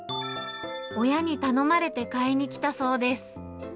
親に頼まれて買いに来たそうです。